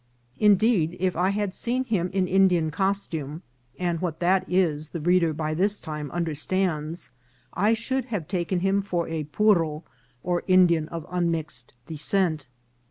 Indeed, if I had seen him in In dian costume, and what that is the reader by this time understands, I should have taken him for a " puro," or Indian of unmixed descent.